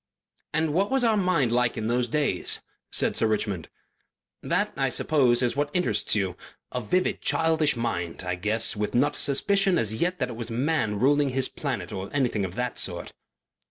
"And what was our Mind like in those days?" said Sir Richmond. "That, I suppose, is what interests you. A vivid childish mind, I guess, with not a suspicion as yet that it was Man ruling his Planet or anything of that sort."